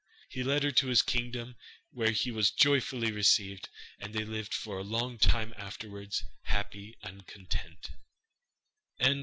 He led her to his kingdom where he was joyfully received, and they lived for a long time afterwards, happy and contented.